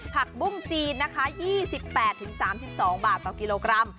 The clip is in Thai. ผักบุ้งจีนนะคะ๒๘๓๒บาทต่อกิโลกรัม